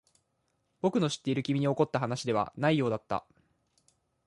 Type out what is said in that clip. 僕の知っている君に起こった話ではないようだった。